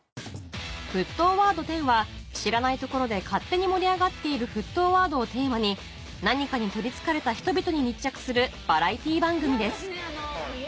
『沸騰ワード１０』は知らないところで勝手に盛り上がっている沸騰ワードをテーマに何かに取り憑かれた人々に密着するバラエティー番組です